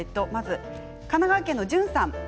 神奈川県の方からです。